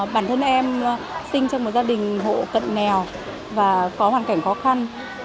bản thân em sinh trong một gia đình hộ cận nghèo và có hoàn cảnh khó khăn